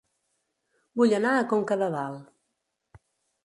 Vull anar a Conca de Dalt